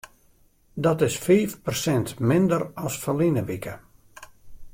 Dat is fiif persint minder as ferline wike.